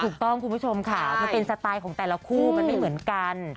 คุณผู้ชมค่ะมันเป็นสไตล์ของแต่ละคู่มันไม่เหมือนกัน